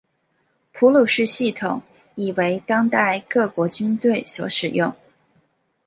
普鲁士系统已为当代各国军队所使用。